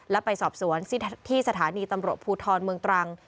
และไปสอบสวนที่สถานีตำรวจภูทรเมืองตรัง